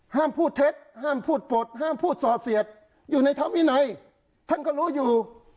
ห้ามพูดเท็จห้ามพูดปลดห้ามพูดสอเสียดอยู่ในธรรมวินัยท่านก็รู้อยู่